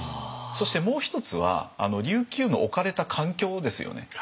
そしてもう一つは琉球の置かれた環境ですよね。